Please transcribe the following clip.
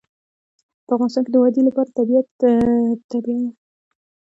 په افغانستان کې د وادي لپاره طبیعي شرایط مناسب دي.